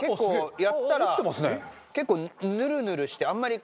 やったら結構ヌルヌルしてあんまりこう。